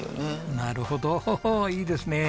なるほどいいですね。